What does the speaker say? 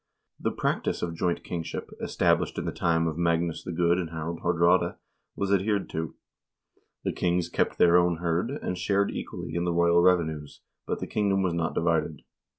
1 The practice of joint kingship, established in the time of Magnus the Good and Harald Haardraade, was adhered to. The kings kept their own hird, and shared equally in the royal rev enues, but the kingdom was not divided.